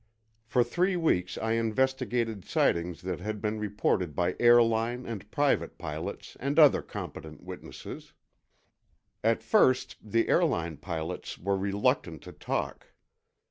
For three weeks I investigated sightings that had been reported by airline and private pilots and other competent witnesses. At first, the airline pilots were reluctant to talk.